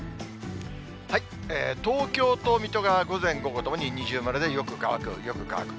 東京と水戸が午前、午後ともに二重丸でよく乾く、よく乾く。